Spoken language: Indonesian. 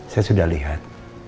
saya sudah lihat